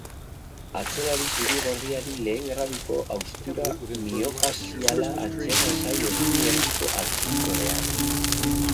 Atzelari zuri-gorriari lehen graduko haustura miofasziala antzeman zaio eskuin erdiko adduktorean.